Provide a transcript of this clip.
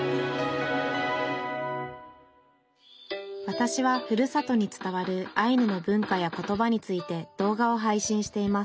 わたしはふるさとに伝わるアイヌの文化や言葉について動画を配信しています